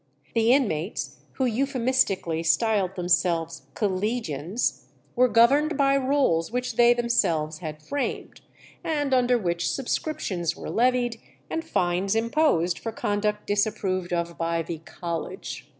The inmates, who euphemistically styled themselves "collegians," were governed by rules which they themselves had framed, and under which subscriptions were levied and fines imposed for conduct disapproved of by the "college."